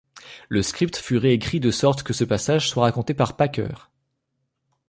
Le script fut réécrit de sorte que ce passage soit raconté par Packer.